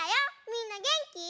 みんなげんき？